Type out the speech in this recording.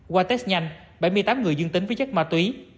qua test nhanh bảy mươi tám người dương tính với chất ma túy